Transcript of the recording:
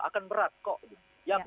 akan berat kok gitu